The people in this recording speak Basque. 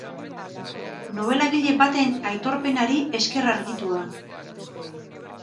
Nobelagile baten aitorpenari esker argitua.